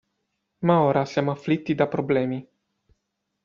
Ma ora siamo afflitti da problemi.